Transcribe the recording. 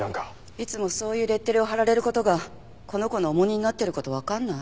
いつもそういうレッテルを貼られる事がこの子の重荷になってる事わかんない？